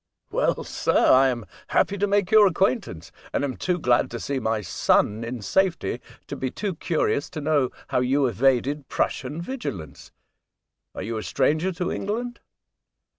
I London, 25 " Well, sir, I am happy to make your acquaintance, and am too glad to see my son in safety to be too curious to know how you evaded Prussian vigilance. Are you a stranger to England?"